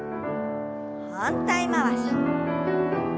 反対回し。